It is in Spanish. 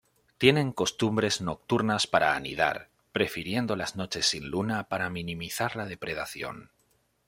Tienen costumbres nocturnas para anidar, prefiriendo las noches sin luna para minimizar la depredación.